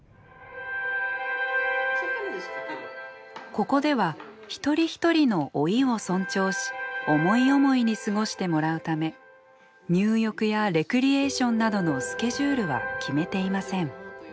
ここでは一人一人の老いを尊重し思い思いに過ごしてもらうため入浴やレクリエーションなどのスケジュールは決めていません。